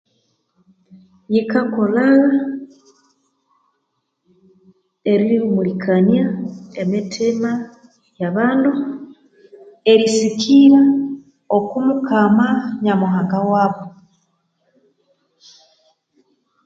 Yikakolhagha erihumulikania emitima yabandu erisikira oku mukama nyamuhanga wabo